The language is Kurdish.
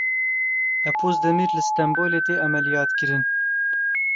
Epozdemir li Stenbolê tê emeliyatkirin.